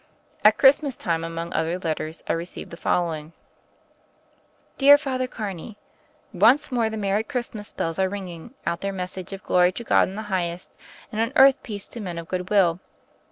At Christmas time, among other letters, I received the following: "Dear Father Carney: Once more the Merry Christmas bells are ringing out their message of glory to God in the highest, and on earth peace to men of good will.